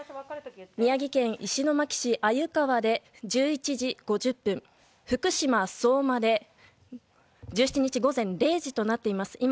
宮城県石巻市鮎川で１１時５０分福島・相馬で１７日の０時となっています。